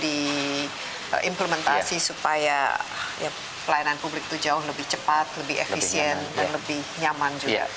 diimplementasi supaya pelayanan publik itu jauh lebih cepat lebih efisien dan lebih nyaman juga